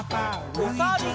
おさるさん。